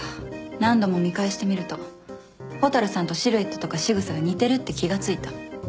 何度も見返してみると蛍さんとシルエットとかしぐさが似てるって気が付いた。